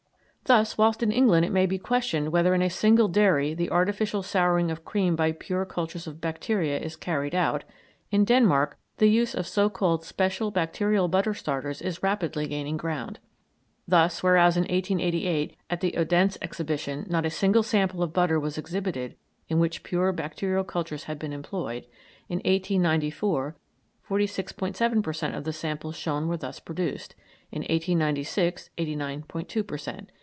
Thus, whilst in England it may be questioned whether in a single dairy the artificial souring of cream by pure cultures of bacteria is carried out, in Denmark the use of so called special bacterial butter starters is rapidly gaining ground. Thus, whereas in 1888 at the Odense Exhibition not a single sample of butter was exhibited in which pure bacterial cultures had been employed, in 1894, 46·7 per cent. of the samples shown were thus produced, in 1896, 89·2 per cent.